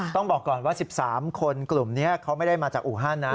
ต้องบอกก่อนว่า๑๓คนกลุ่มนี้เขาไม่ได้มาจากอูฮันนะ